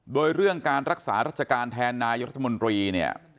โดยเรื่องการรักษารัชการแทนนายกรัฐมนตรีเนี่ย